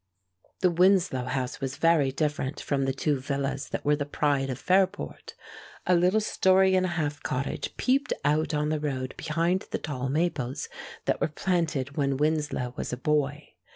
The Winslow house was very different from the two villas that were the pride of Fairport. A little story and a half cottage peeped out on the road behind the tall maples that were planted when Winslow was a boy.